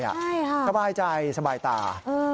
ใช่ค่ะสบายใจสบายตา